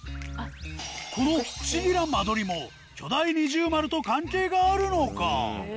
この不思議な間取りも巨大二重丸と関係があるのか？